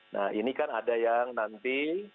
nah ini kan ada yang nanti